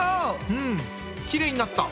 うんきれいになった！